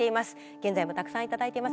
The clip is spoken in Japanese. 現在もたくさん頂いています。